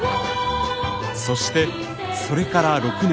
そしてそれから６年。